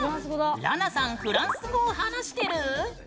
らなさんフランス語を話してる？